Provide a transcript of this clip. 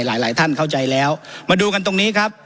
หลายหลายท่านเข้าใจแล้วมาดูกันตรงนี้ครับ